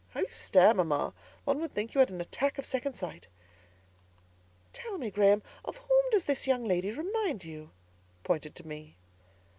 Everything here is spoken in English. How you stare, mamma! One would think you had an attack of second sight." "Tell me, Graham, of whom does that young lady remind you?" pointing to me.